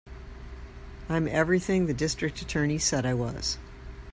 I'm everything the District Attorney said I was.